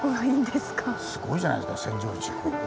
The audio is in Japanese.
すごいじゃないですか扇状地。